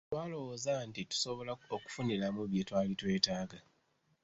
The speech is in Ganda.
Twalowooza nti tusobola okufuniramu bye twali twetaaga.